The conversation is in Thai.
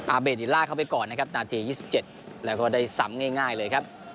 เบดิล่าเข้าไปก่อนนะครับนาที๒๗แล้วก็ได้ซ้ำง่ายเลยครับ